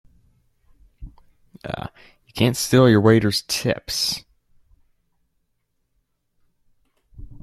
You can't steal your waiters' tips!